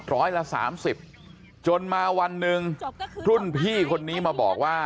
ร้อยละ๓๐จนมาวันหนึ่งรุ่นพี่คนนี้มาบอกว่า